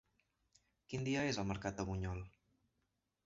Quin dia és el mercat de Bunyol?